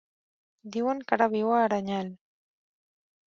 Diuen que ara viu a Aranyel.